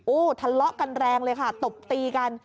โอ้โหทะเลาะกันแรงเลยค่ะตบตีกัน